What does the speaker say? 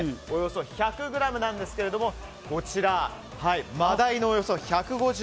およそ１００ｇなんですけどもこちら、マダイのおよそ１５０ｇ。